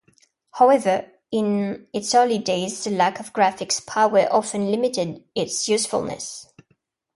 However, in its early days the lack of graphics power often limited its usefulness.